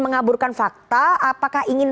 mengaburkan fakta apakah ingin